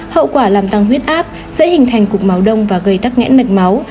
hậu quả làm tăng huyết áp dễ hình thành cục máu đông và gây tắc nghẽn mạch máu